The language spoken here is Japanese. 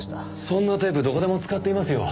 そんなテープどこでも使っていますよ。